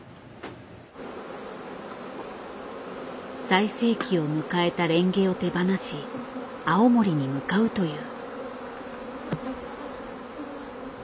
最盛期を迎えたレンゲを手放し青森に向かうという。